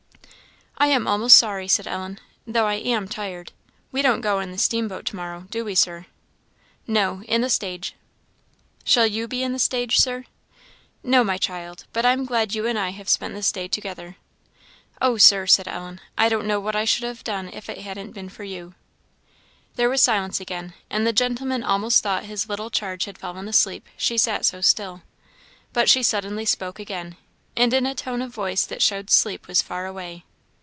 "I am almost sorry," said Ellen, "though I am tired. We don't go in the steamboat to morrow, do we, Sir?" "No in the stage." "Shall you be in the stage, Sir?" "No, my child. But I am glad you and I have spent this day together." "Oh, Sir," said Ellen, "I don't know what I should have done if it hadn't been for you." There was silence again, and the gentleman almost thought his little charge had fallen asleep, she sat so still. But she suddenly spoke again, and in a tone of voice that showed sleep was far away.